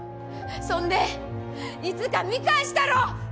そんでいつか見返したろ！